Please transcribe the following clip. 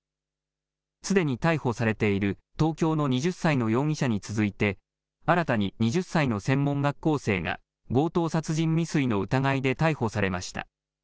すでに逮捕されている東京の２０歳の容疑者に続いて、新たに２０歳の専門学校生が、強盗殺人未遂の疑いで逮捕されました。